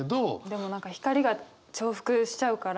でも何か光が重複しちゃうから。